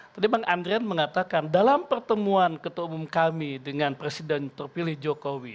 tadi bang andrian mengatakan dalam pertemuan ketua umum kami dengan presiden terpilih jokowi